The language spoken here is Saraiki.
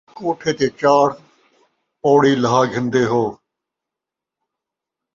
کوٹھے تے چاڑھ ، پوڑی لہا گھندے ہو